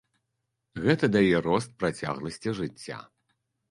Гэта дае рост працягласці жыцця.